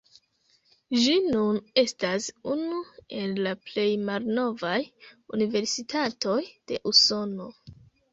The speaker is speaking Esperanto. Ĝi nun estas unu el la plej malnovaj universitatoj de Usono.